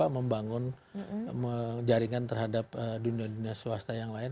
menjaringkan terhadap dunia dunia swasta yang lain